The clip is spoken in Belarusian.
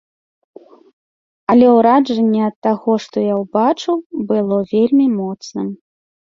Але ўражанне ад таго, што я ўбачыў, было вельмі моцным.